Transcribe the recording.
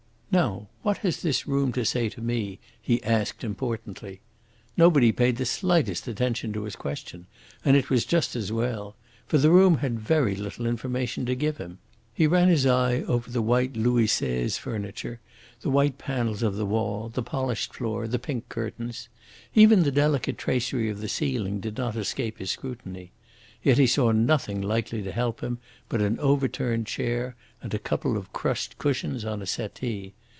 "Now, what has this room to say to me?" he asked importantly. Nobody paid the slightest attention to his question, and it was just as well. For the room had very little information to give him. He ran his eye over the white Louis Seize furniture, the white panels of the wall, the polished floor, the pink curtains. Even the delicate tracery of the ceiling did not escape his scrutiny. Yet he saw nothing likely to help him but an overturned chair and a couple of crushed cushions on a settee.